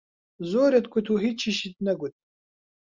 زۆرت گوت و هیچیشت نەگوت!